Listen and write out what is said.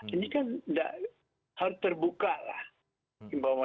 ini kan harus terbukalah